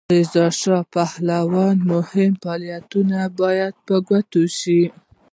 د رضاشاه پهلوي مهم فعالیتونه باید په ګوته شي.